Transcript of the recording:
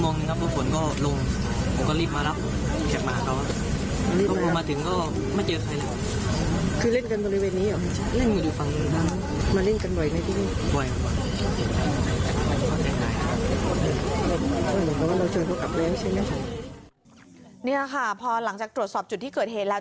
นี่ค่ะพอหลังจากตรวจสอบจุดที่เกิดเหตุแล้ว